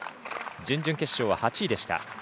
準々決勝は８位でした。